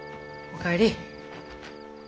お帰り。